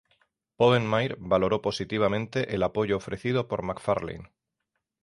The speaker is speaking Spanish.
Povenmire valoró positivamente el apoyo ofrecido por MacFarlane.